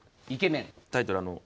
タイトル